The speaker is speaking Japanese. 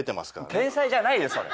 天才じゃないよそれ。